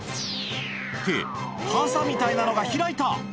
って、かさみたいなのが開いた。